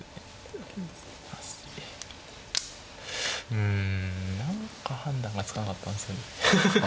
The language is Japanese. うん何か判断がつかなかったんですよね。